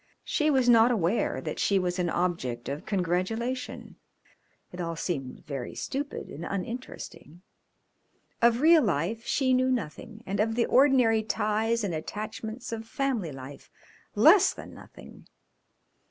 She was not aware that she was an object of congratulation. It all seemed very stupid and uninteresting. Of real life she knew nothing and of the ordinary ties and attachments of family life less than nothing.